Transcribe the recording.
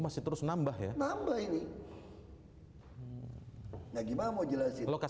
masih terus nambah ya